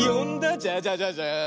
ジャジャジャジャーン。